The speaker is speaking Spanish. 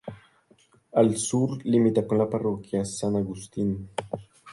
Al sur limita con la Parroquia San Agustín.